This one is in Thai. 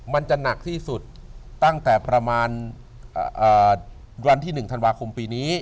มันจะหนักที่สุดตั้งแต่ประมาณวันที่๑ธันวาคมปีนี้